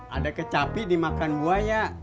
ada kecapi dimakan buaya